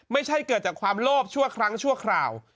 ไม่ใช่เกิดจากความโลภชั่วครั้งชั่วคราว